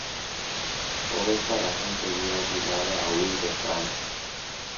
Por esa razón se vio obligado a huir a Francia.